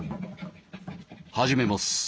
始めます。